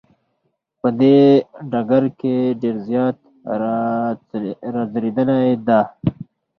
په دې ډګر کې ډیر زیات را ځلیدلی دی.